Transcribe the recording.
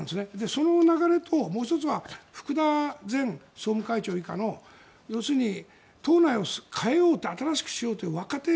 その流れと、もう１つは福田前総務会長以下の要するに党内を変えようと新しくしようという若手。